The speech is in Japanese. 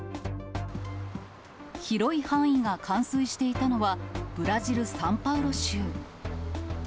広い範囲が冠水していたのは、ブラジル・サンパウロ州。